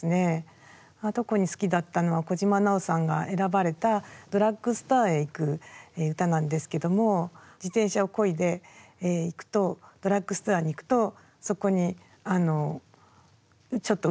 特に好きだったのは小島なおさんが選ばれたドラッグストアへ行く歌なんですけども自転車をこいで行くとドラッグストアに行くとそこにあのちょっと海があるって。